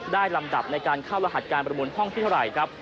ลำดับในการเข้ารหัสการประมูลห้องที่เท่าไหร่ครับ